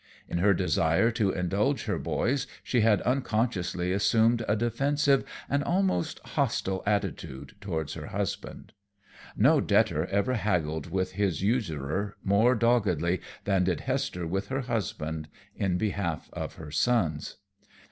In her desire to indulge her boys she had unconsciously assumed a defensive and almost hostile attitude towards her husband. No debtor ever haggled with his usurer more doggedly than did Hester with her husband in behalf of her sons.